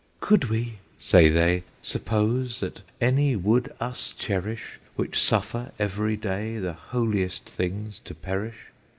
"Could we," say they, "suppose that any would us cherish Which suffer every day the holiest things to perish?